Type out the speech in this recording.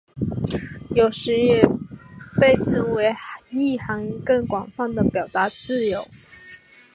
有时也被称为意涵更广泛的表达自由。